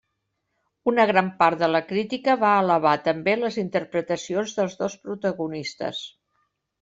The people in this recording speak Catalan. Una gran part de la crítica va alabar també les interpretacions dels dos protagonistes.